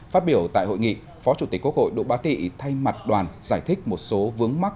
phát biểu tại hội nghị phó chủ tịch quốc hội đỗ bá tị thay mặt đoàn giải thích một số vướng mắt